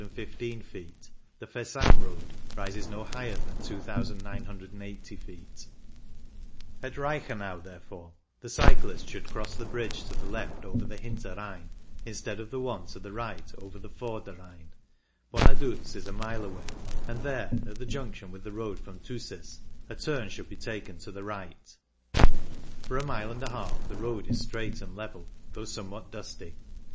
and 3,615 ft, the Versam road rises no higher than 2,980 ft At Reichenau, therefore, the cyclist should cross the bridge to the left over the H inter Rhein, instead of the one to the right over the Vorder Rhein. Bonaduz is a mile away, and there, at the junction with the road from Thusis, a turn should be taken to the right For a mile and a half the road is straight and level, though some what dusty.